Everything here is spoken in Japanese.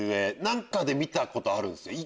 何かで見たことあるんすよ